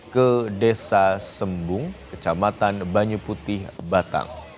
ke desa sembung kecamatan banyu putih batang